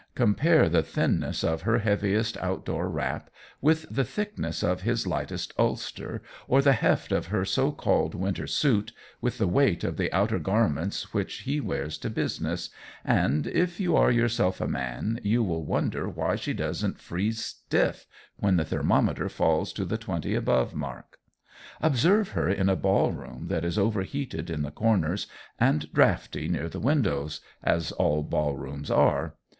Compare the thinness of her heaviest outdoor wrap with the thickness of his lightest ulster, or the heft of her so called winter suit with the weight of the outer garments which he wears to business, and if you are yourself a man you will wonder why she doesn't freeze stiff when the thermometer falls to the twenty above mark. Observe her in a ballroom that is overheated in the corners and draughty near the windows, as all ballrooms are.